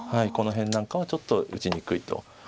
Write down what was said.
この辺なんかはちょっと打ちにくいと。